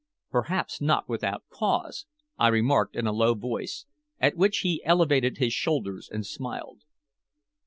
"Perhaps not without cause," I remarked in a low voice, at which he elevated his shoulders and smiled.